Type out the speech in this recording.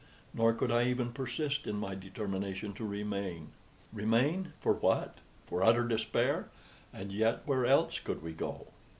Nor could I even persist in my determination to remain. Remain! For what? For utter despair! And yet where else could we go?